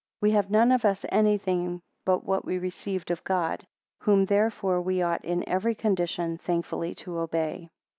33 We have none of us anything but what we received of God: whom therefore we ought in every condition thankfully to obey.